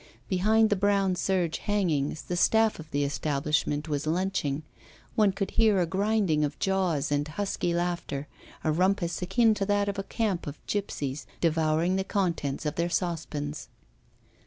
Behind the brown serge hangings the staff of the establishment was lunching one could hear a grinding of jaws and husky laughter, a rumpus akin to that of a camp of gipsies devouring the contents of their saucepans.